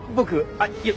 あっいや俺？